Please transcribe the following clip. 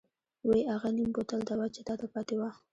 وۍ اغه نيم بوتل دوا چې تانه پاتې وه.